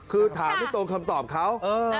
คือถามไม่ตรงคำตอบเขา